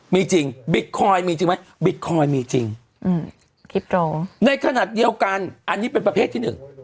มีจริงบิตคอยน์มีจริงไหมบิตคอยน์มีจริงอืมคลิปโตในขณะเดียวกันอันนี้เป็นประเภทที่หนึ่ง